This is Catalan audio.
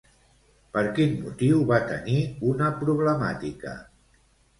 Per quin motiu va tenir una problemàtica?